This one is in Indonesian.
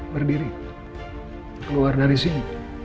berdiri keluar dari sini